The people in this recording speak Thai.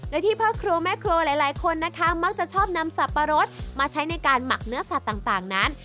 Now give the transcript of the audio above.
โดยที่พ่อครัวแม่ครัวหลายคนนะคะมักจะชอบนำสับปะรดมาใช้ในการหมักเนื้อสัตว์ต่างนั้น